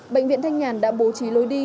bệnh viện thanh nhàn đã bố trí lối đi